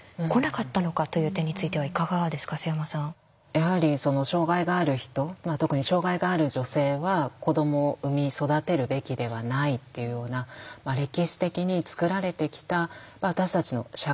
やはり障害がある人特に障害がある女性は子どもを産み育てるべきではないっていうような歴史的につくられてきた私たちの社会の価値観というか。